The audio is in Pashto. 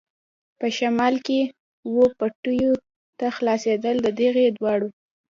په شمال کې وه پټیو ته خلاصېدل، د دې دواړو.